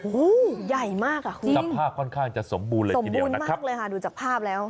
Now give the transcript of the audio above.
โอ้โฮใหญ่มากอะจริงสมบูรณ์มากเลยค่ะดูจากภาพแล้ว